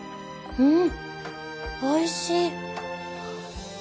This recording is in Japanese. うん！